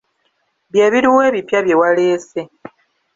Bye biruwa ebipya bye waleese?